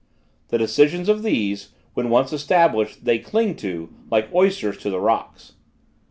The decisions of these, when once established, they cling to, like oysters to the rocks.